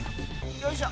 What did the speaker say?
よいしょ！